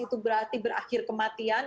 itu berarti berakhir kematian